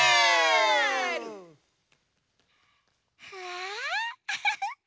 あフフフ！